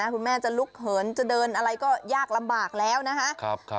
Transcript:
คุณแม่จะลุกเหินจะเดินอะไรก็ยากลำบากแล้วนะคะ